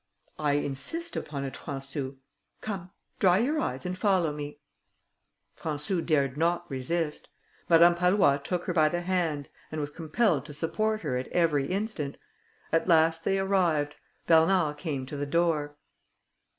"I insist upon it, Françou; come, dry your eyes, and follow me." Françou dared not resist. Madame Pallois took her by the hand, and was compelled to support her at every instant. At last they arrived. Bernard came to the door.